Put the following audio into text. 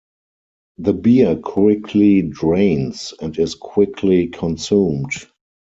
The beer quickly drains, and is quickly consumed.